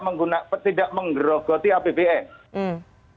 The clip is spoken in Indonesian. mandalika itu tidak menggerogoti apbd